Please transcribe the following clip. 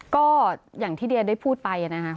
ก็อย่างที่เดียได้พูดไปนะคะ